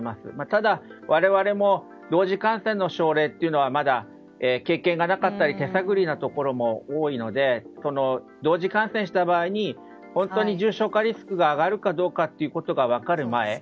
ただ、我々も同時感染の症例はまだ経験がなかったり手探りのところも多いので同時感染した場合に本当に重症化リスクが上がるかどうかということが分かる前。